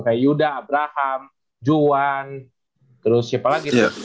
kayak yuda abraham juan terus siapa lagi